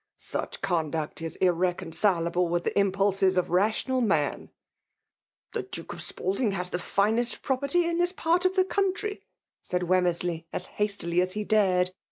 Such conduct is irreconcile* able with the impulses of rational man T « The Duke of ^«Ming has ae finest p«>. perty in this part of the country/' said Wem mersley, as hastily as he dared.